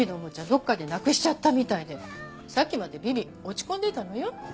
どこかでなくしちゃったみたいでさっきまでビビ落ち込んでたのよ。